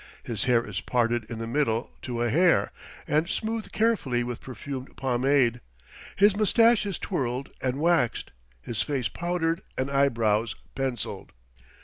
His hair is parted in the middle to a hair, and smoothed carefully with perfumed pomade; his mustache is twirled and waxed, his face powdered, and eyebrows pencilled.